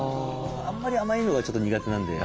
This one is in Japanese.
あんまり甘いのがちょっと苦手なんで。